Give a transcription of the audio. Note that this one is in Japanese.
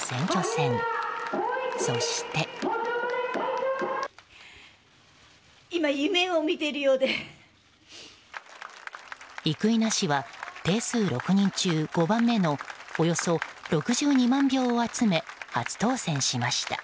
生稲氏は定数６人中５番目のおよそ６２万票を集め初当選しました。